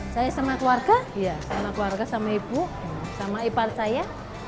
saya sama keluarga sama ibu sama ipar saya